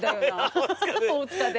大塚で？